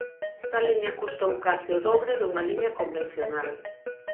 Esta liña custou case o dobre dunha liña convencional.